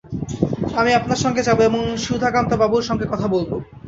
আমি আপনার সঙ্গে যাব এবং সুধাকান্তবাবুর সঙ্গে কথা বলব।